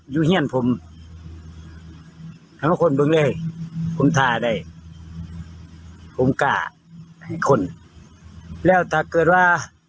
อยู่เฮียนผมครันมันคลนบึงเลยผมทาได้ผมกาแห่งคนแล้วถ้าเกิดว่า